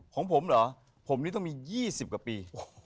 ของผมเหรอผมนี่ต้องมี๒๐กว่าปี